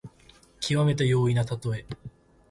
きわめて容易なことのたとえ。